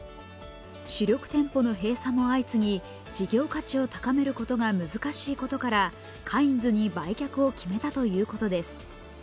主力店舗の閉鎖も相次ぎ事業価値を高めることが難しいことからカインズに売却を決めたということです。